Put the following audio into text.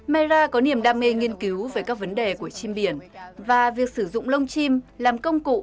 mayra có niềm đam mê nghiên cứu về các vấn đề của chim biển và việc sử dụng lông chim làm công cụ